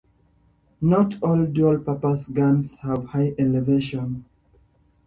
Not all dual-purpose guns have high elevation.